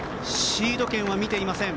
シード権は見ていません。